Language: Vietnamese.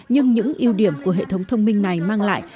nhưng những ưu điểm của hệ thống thông minh này mang lại